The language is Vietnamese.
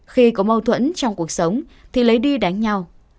khi có mâu thuẫn trong cuộc sống thì lấy đi đánh nhau